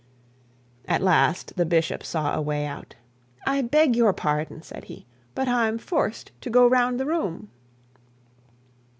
At last the bishop saw a way out. 'I beg your pardon,' said he; 'but I'm forced to go round the room.'